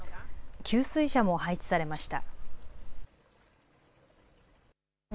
給水車も配置されました。